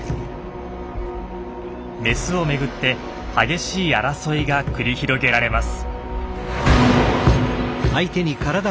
メスを巡って激しい争いが繰り広げられます。